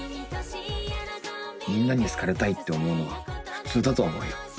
みんなに好かれたいって思うのは普通だと思うよ。